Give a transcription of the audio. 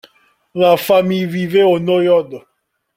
La famille vivait au Neude.